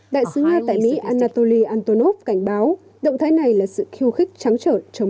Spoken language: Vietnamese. đại sứ nga tại mỹ anatoly antonov cảnh báo động thái này là sự khiêu khích trắng trởn chống lại moscow